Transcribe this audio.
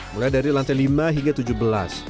mulai dari lantai lima hingga tujuh belas